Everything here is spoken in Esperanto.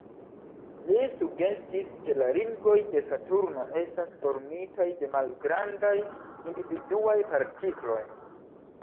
Li sugestis, ke la ringoj de Saturno estas formitaj de malgrandaj individuaj partikloj.